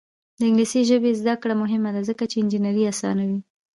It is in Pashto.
د انګلیسي ژبې زده کړه مهمه ده ځکه چې انجینري اسانوي.